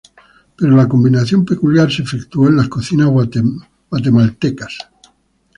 Pero la combinación peculiar se efectuó en las cocinas guatemaltecas.